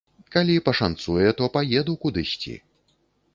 Калі пашанцуе, то паеду кудысьці.